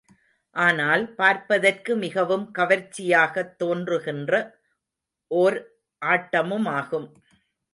ஆனால், பார்ப்பதற்கு மிகவும் கவர்ச்சியாகத் தோன்றுகின்ற ஒர் ஆட்டமுமாகும்.